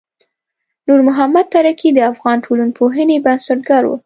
نورمحمد ترکی د افغان ټولنپوهنې بنسټګر و.